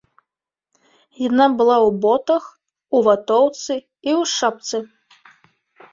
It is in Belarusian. Яна была ў ботах, у ватоўцы і ў шапцы.